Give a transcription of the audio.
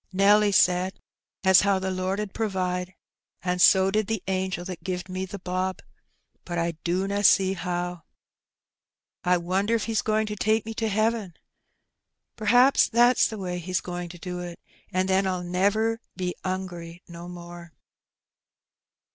'^ Nelly said as how the Lord 'ud provide, an' so did the angel that gived me the bob; but I dunna see how. I wonder if He's goin' to take me to heaven? Pr'aps that's the way He's goin' to do it, an' then I'll never be 'ungry no more."